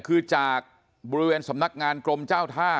คือจากบริเวณสำนักงานกรมเจ้าท่า